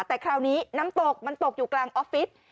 แต่คราวนี้น้ำตกมันตกอยู่กลางออฟฟิศ